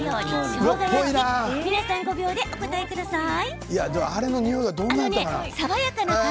しょうが焼き皆さん、５秒でお答えください。